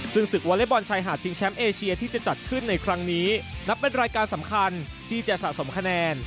ซึ่งศึกวอเล็กบอลชายหาดชิงแชมป์เอเชียที่จะจัดขึ้นในครั้งนี้นับเป็นรายการสำคัญที่จะสะสมคะแนน